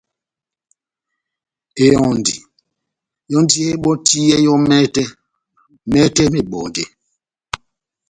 Ehɔndi yɔ́ndi emabɔtiyɛ yɔ́ mɛtɛ mɛtɛ mebɔjɛ